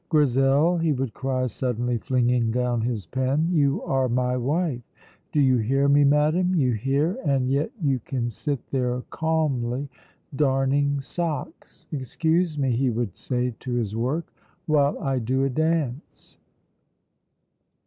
"Grizel," he would cry, suddenly flinging down his pen, "you are my wife! Do you hear me, madam? You hear, and yet you can sit there calmly darning socks! Excuse me," he would say to his work, "while I do a dance."